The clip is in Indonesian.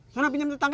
sana pinjam tetangga